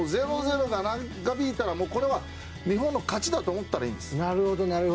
０−０が長引いたらこれは日本の勝ちだと思ったらいいです。